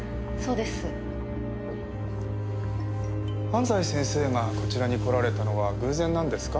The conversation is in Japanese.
安西先生がこちらに来られたのは偶然なんですか？